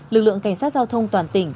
lực lượng cảnh sát giao thông toàn tỉnh